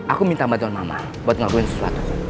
aku minta bantuan mama buat ngelakuin sesuatu